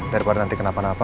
daripada nanti kenapa napa